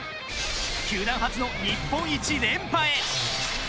球団初の日本一連覇へ！